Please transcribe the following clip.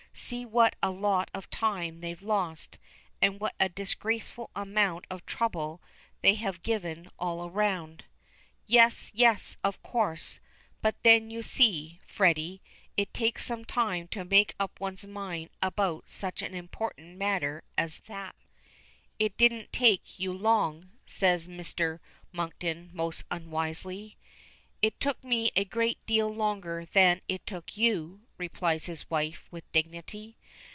See what a lot of time they've lost, and what a disgraceful amount of trouble they have given all round." "Yes, yes, of course. But then you see, Freddy, it takes some time to make up one's mind about such an important matter as that." "It didn't take you long," says Mr. Monkton most unwisely. "It took me a great deal longer than it took you," replies his wife with dignity.